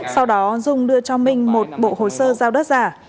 sau đó dung đưa cho minh một bộ hồ sơ giao đất giả